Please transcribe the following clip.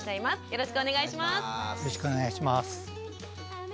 よろしくお願いします。